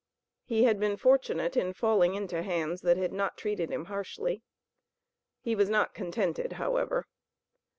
He had been fortunate in falling into hands that had not treated him harshly. He was not contented, however.